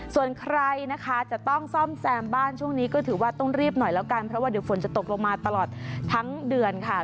ส่วนใครนะคะจะต้องซ่อมแซมบ้านช่วงนี้ก็ถือว่าต้องรีบหน่อยแล้วกันเพราะว่าเดี๋ยวฝนจะตกลงมาตลอดทั้งเดือนค่ะ